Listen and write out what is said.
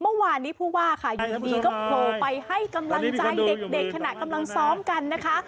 เมื่อวานนี้ผู้ว่าค่ะอยู่ดีก็โผล่ไปให้กำลังใจเด็กขณะกำลังซ้อมกันนะคะ